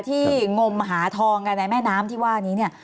ที่งลมหาทองในแม่น้ำที่ว่านี้